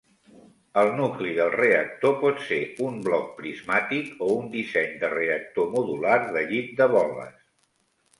El nucli del reactor pot ser un bloc prismàtic o un disseny de reactor modular de llit de boles.